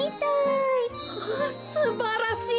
ああすばらしい！